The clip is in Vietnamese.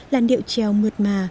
làn điệu trèo mượt mà